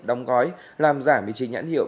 đóng gói làm giả mì chính nhãn hiệu